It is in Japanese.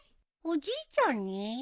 おじいちゃんに？